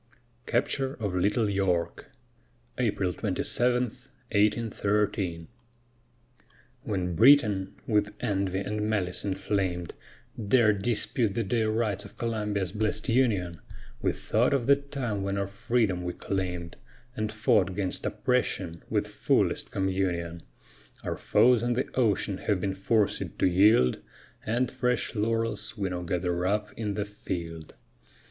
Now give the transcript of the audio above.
CAPTURE OF LITTLE YORK [April 27, 1813] When Britain, with envy and malice inflamed, Dared dispute the dear rights of Columbia's bless'd union, We thought of the time when our freedom we claim'd, And fought 'gainst oppression with fullest communion. Our foes on the ocean have been forced to yield, And fresh laurels we now gather up in the field.